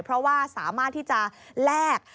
เพราะว่าสามารถที่จะแลก